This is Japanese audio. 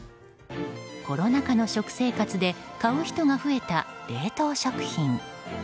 コロナ禍の食生活で買う人が増えた冷凍食品。